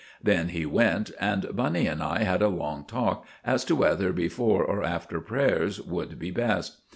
Then he went, and Bunny and I had a long talk as to whether before or after prayers would be best.